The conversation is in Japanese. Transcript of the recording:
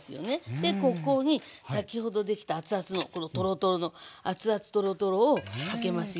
でここに先ほどできたアツアツのこのトロトロのアツアツトロトロをかけますよ。